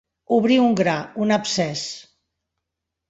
Obrir un gra, un abscés.